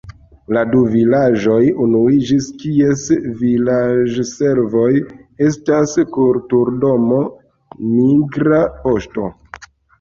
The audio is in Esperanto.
La du vilaĝoj unuiĝis, kies vilaĝservoj estas kulturdomo, migra poŝto.